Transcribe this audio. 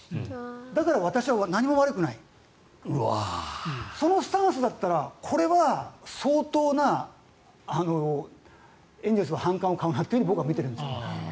だから私は何も悪くないそのスタンスだったらこれは相当なエンゼルスは反感を買うなと僕は見ているんですが。